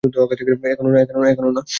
এখনও, না।